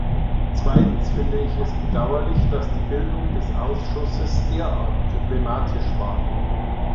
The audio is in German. Zweitens finde ich es bedauerlich, dass die Bildung des Ausschusses derart problematisch war.